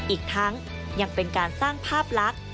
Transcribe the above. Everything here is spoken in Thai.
อีกทั้งยังเป็นการสร้างภาพลักษณ์